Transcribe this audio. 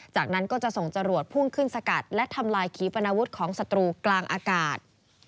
จากนั้นก็จะส่งจรวดพุ่งขึ้นสกัดและทำลายขีปนาวุฒิของศัตรูกลางอากาศ